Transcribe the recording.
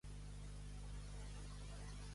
Llop és sempre llop.